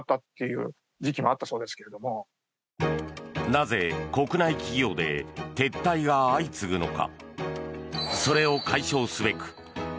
なぜ、国内企業で撤退が相次ぐのか。